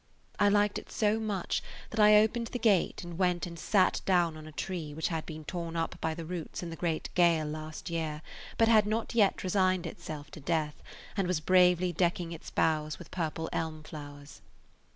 I liked it so much that I opened the gate and went and sat down on a tree which had been torn up by the roots in the great gale last year, but had not yet resigned itself to death, and was bravely decking its boughs with purple elm flowers.